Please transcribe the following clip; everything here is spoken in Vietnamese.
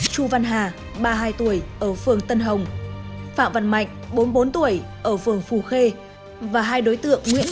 chu văn hà ba mươi hai tuổi ở phường tân hồng phạm văn mạnh bốn mươi bốn tuổi ở phường phù khê và hai đối tượng nguyễn